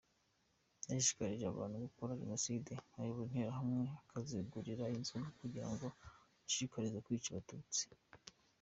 Yashishikarije abantu gukora jenoside, ayobora Interahamwe, akazigurira inzoga kugira ngo azishishikarize kwica Abatutsi.